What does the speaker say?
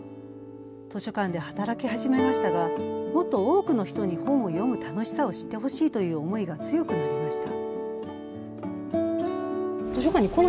図書館で働き始めましたがもっと多くの人に本を読む楽しさを知ってほしいという思いが強くなりました。